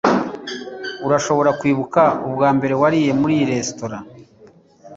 urashobora kwibuka ubwambere wariye muri iyi resitora